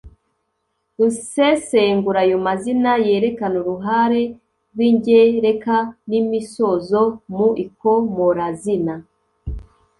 Gusesengura ayo mazina yerekana uruhare rw’ingereka n’imisozo mu ikomorazina